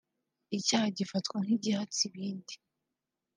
icyaha gifatwa nk’igihatse ibindi